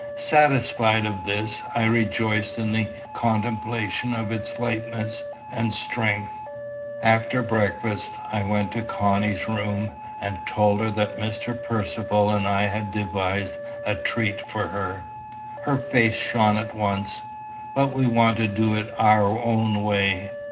Satisfied of this, I rejoiced in the contemplation of its lightness and strength. After breakfast I went to Connie's room, and told her that Mr. Percivale and I had devised a treat for her. Her face shone at once. "But we want to do it our own way."